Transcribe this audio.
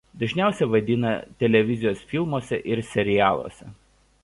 Dažniausiai vaidina televizijos filmuose ir serialuose.